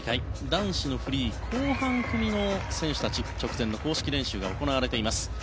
男子のフリー後半組の選手たち直前の公式練習が行われています。